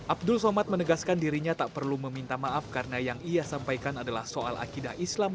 abdul somad menegaskan dirinya tak perlu meminta maaf karena yang ia sampaikan adalah soal akidah islam